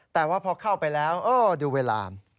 แต่ว่าพอเข้าไปแล้วดูเวลา